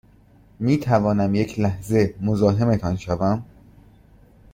می توانم یک لحظه مزاحمتان شوم؟